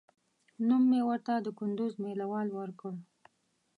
نوم مې ورته د کندوز مېله وال ورکړ.